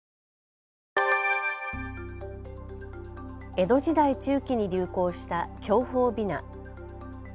江戸時代中期に流行した享保雛。